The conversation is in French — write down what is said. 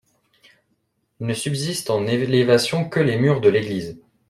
Ne subsistent en élévation que les murs de l'église.